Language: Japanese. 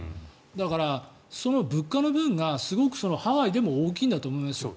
だから、その物価の部分がハワイでも大きいんだと思いますよ。